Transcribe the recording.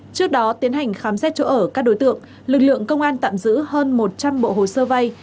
trước đó tiến hành khám xét chỗ ở các đối tượng lực lượng công an tạm giữ hơn một trăm linh bộ hồ sơ vay